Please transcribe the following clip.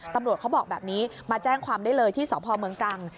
ตำรวจเขาบอกแบบนี้มาแจ้งความได้เลยที่สพเมืองตรัง